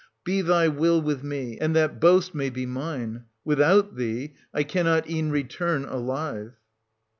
Be thy will with me, and that boast may be mine : without thee, I cannot e'en return alive.